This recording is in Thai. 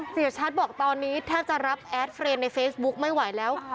เสียชัดบอกตอนนี้แทบจะรับแอดเฟรนดในเฟซบุ๊กไม่ไหวแล้ว